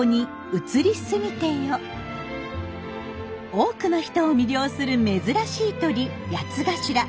多くの人を魅了する珍しい鳥ヤツガシラ。